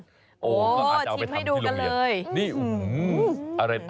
โห้ชิ้นให้ดูกันเลย